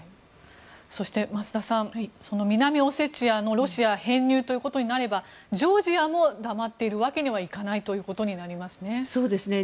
そして増田さんその南オセチアもロシア編入ということになればジョージアも黙っているわけにはいかないことになりますね。